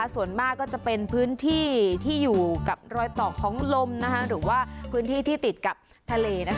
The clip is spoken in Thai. ส่วนมากจะเป็นพื้นที่ที่อยู่กับรอยเปาะของลมหรือที่ติดกับทะเล